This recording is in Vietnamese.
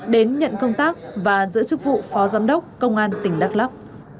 đến nhận công tác và giữ chức vụ phó giám đốc công an tỉnh đắk lắc